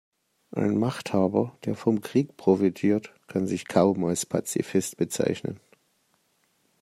Ein Machthaber, der vom Krieg profitiert, kann sich kaum als Pazifist bezeichnen.